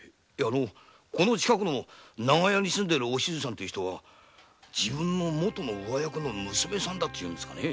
この近くの長屋に住んでるお静さんという人は自分の元の上役の娘さんだと言うんです。